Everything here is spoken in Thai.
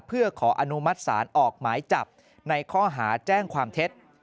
เพื่อขออนุมัติศาลออกหมายจับในข้อหาแจ้งความเท็จ